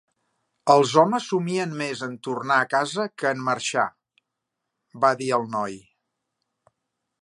"Els homes somien més en tornar a casa que en marxar", va dir el noi.